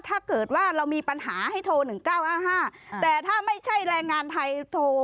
ถ้าเกิดว่าเรามีปัญหาให้โทร๑๙๕๕แต่ถ้าไม่ใช่แรงงานไทยโทร